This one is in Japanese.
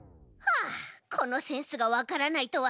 あこのセンスがわからないとは。